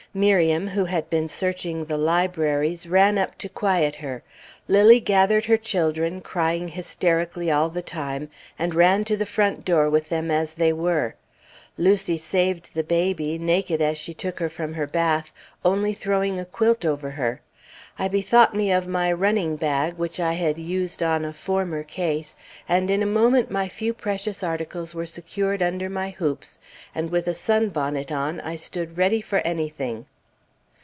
Miriam, who had been searching the libraries, ran up to quiet her; Lilly gathered her children, crying hysterically all the time, and ran to the front door with them as they were; Lucy saved the baby, naked as she took her from her bath, only throwing a quilt over her. I bethought me of my "running bag" which I had used on a former case, and in a moment my few precious articles were secured under my hoops, and with a sunbonnet on, I stood ready for anything.